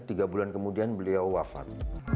tiga bulan kemudian beliau wafat